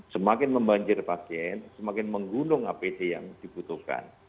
semakin membanjir pasien semakin menggunung apd yang dibutuhkan